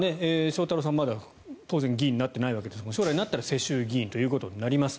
翔太郎さんはまだ当然議員になっていないわけですが将来なったら世襲議員ということになります。